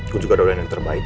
gue juga doain yang terbaik